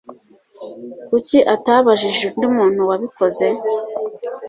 Kuki atabajije undi muntu wabikoze?